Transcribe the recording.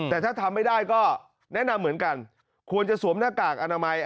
แต่ถ้าทำไม่ได้ก็แนะนำเหมือนกันควรจะสวมหน้ากากอนามัย